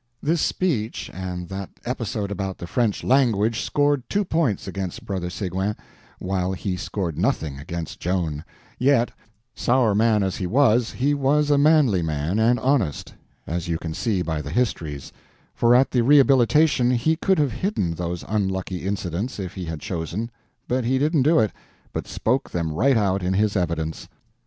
This speech and that episode about the French language scored two points against Brother Seguin, while he scored nothing against Joan; yet, sour man as he was, he was a manly man, and honest, as you can see by the histories; for at the Rehabilitation he could have hidden those unlucky incidents if he had chosen, but he didn't do it, but spoke them right out in his evidence.